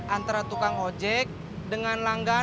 antara tukang ojek dengan langganan